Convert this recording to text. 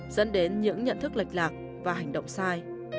dẫn đến những nhận thức lệch lạc và hành động sai